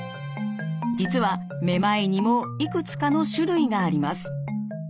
実はめまいにもいくつかの種類があります。